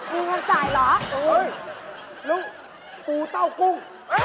มีเงินจ่ายเหรออุ้ยลูกปูเต้ากุ้ง